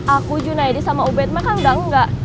aku junaedi sama ubed mereka udah engga